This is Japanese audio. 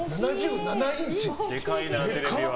でかいな、テレビは。